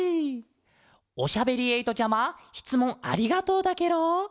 おしゃべりえいとちゃましつもんありがとうだケロ。